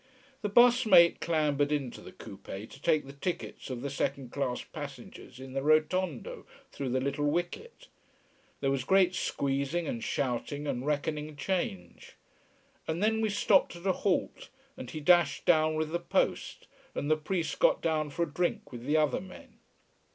The bus mate clambered into the coupé, to take the tickets of the second class passengers in the rotondo, through the little wicket. There was great squeezing and shouting and reckoning change. And then we stopped at a halt, and he dashed down with the post and the priest got down for a drink with the other men.